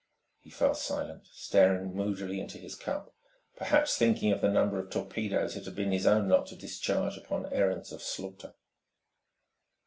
He fell silent, staring moodily into his cup, perhaps thinking of the number of torpedoes it had been his own lot to discharge upon errands of slaughter.